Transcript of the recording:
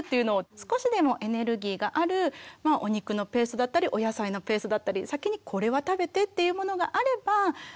少しでもエネルギーがあるお肉のペーストだったりお野菜のペーストだったり先にこれは食べてっていうものがあればスプーンであげてみる。